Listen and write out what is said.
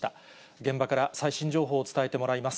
現場から最新情報を伝えてもらいます。